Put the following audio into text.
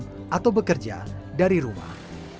sebagian besar perusahaan kini menjalankan sistem work from home